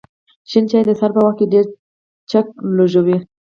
شین چای د سهار په وخت ډېر چک لږوی